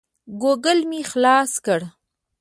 ګوګل مې خلاص کړ.